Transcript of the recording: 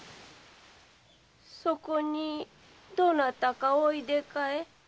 そこにどなたかおいでかえ？